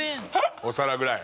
お皿ぐらい。